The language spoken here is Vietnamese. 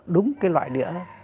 đúng cái loại đĩa